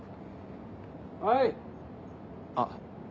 ・はい・あっ。